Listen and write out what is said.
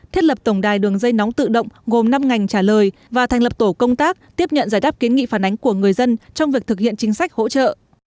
thiết lập tổng đài đường dây nóng tự động gồm năm ngành trả lời và thành lập tổ công tác tiếp nhận giải đáp kiến nghị phản ánh của người dân trong việc thực hiện chính sách hỗ trợ